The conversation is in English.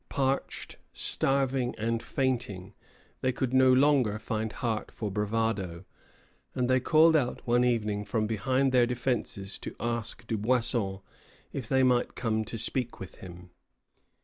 Parched, starved, and fainting, they could no longer find heart for bravado, and they called out one evening from behind their defences to ask Dubuisson if they might come to speak with him.